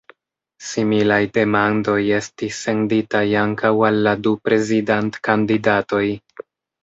Similaj demandoj estis senditaj ankaŭ al la du prezidant-kandidatoj.